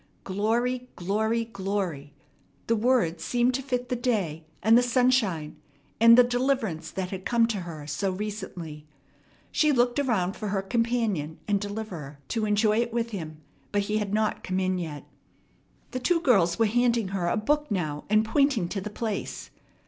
"Glory," "glory," "glory!" The words seemed to fit the day, and the sunshine, and the deliverance that had come to her so recently. She looked around for her companion and deliverer to enjoy it with him, but he had not come in yet. The two girls were handing her a book now and pointing to the place.